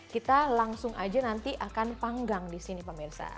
kita langsung aja nanti akan panggang disini pemirsa